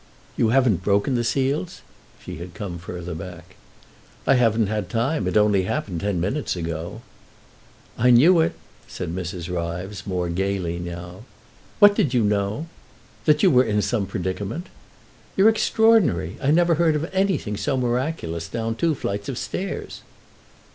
"You haven't broken the seals?" She had come further back. "I haven't had time; it only happened ten minutes ago." "I knew it," said Mrs. Ryves, more gaily now. "What did you know?" "That you were in some predicament." "You're extraordinary. I never heard of anything so miraculous; down two flights of stairs."